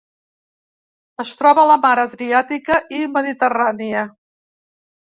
Es troba a la Mar Adriàtica i Mediterrània.